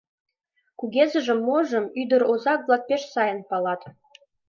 Кузежым-можым ӱдыр-озак-влак пеш сайын палат.